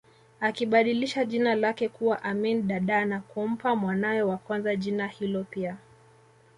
Akibadilisha jina lake kuwa Amin Dada na kumpa mwanawe wa kwanza jina hilo pia